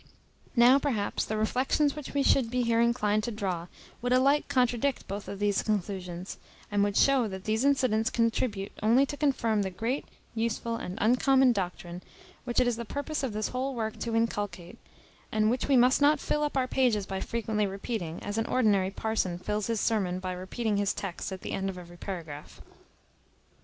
Now, perhaps the reflections which we should be here inclined to draw would alike contradict both these conclusions, and would show that these incidents contribute only to confirm the great, useful, and uncommon doctrine, which it is the purpose of this whole work to inculcate, and which we must not fill up our pages by frequently repeating, as an ordinary parson fills his sermon by repeating his text at the end of every paragraph.